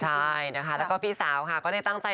ใช่นะคะแล้วก็พี่สาวค่ะก็ได้ตั้งใจ